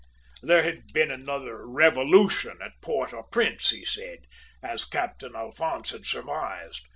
"There had been another revolution at Port au Prince, he said, as Captain Alphonse had surmised.